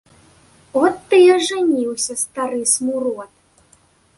От ты і ажаніўся, стары смурод.